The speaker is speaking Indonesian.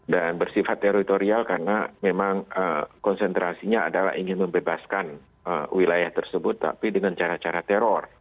dan bersifat teritorial karena memang konsentrasinya adalah ingin membebaskan wilayah tersebut tapi dengan cara cara teror